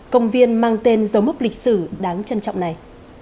công viên mang tên dấu mốc lịch sử đáng trân trọng này